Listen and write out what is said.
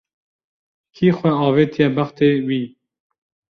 Kî xwe avitiye bextê wî